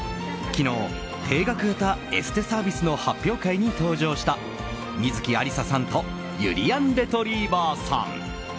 昨日、定額型エステサービスの発表会に登場した観月ありささんとゆりやんレトリィバァさん。